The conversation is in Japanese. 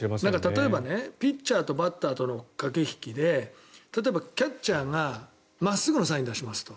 例えば、ピッチャーとバッターの駆け引きで例えばキャッチャーが真っすぐのサインを出しますと。